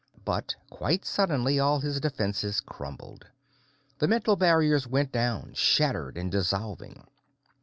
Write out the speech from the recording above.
But, quite suddenly, all his defenses crumbled. The mental barriers went down, shattered and dissolving.